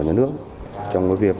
nhà nước trong việc